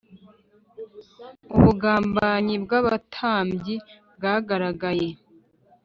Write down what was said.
ubugambanyi bw’abatambyi bwaragaragaye